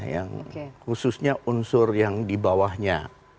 yang khususnya unsur yang di bawahnya